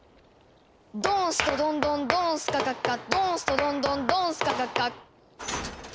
ドンストドンドンドンスカカッカドンストドンドンドンスカカッカ。